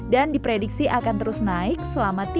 dan diprediksi akan terus naik selama tiga hari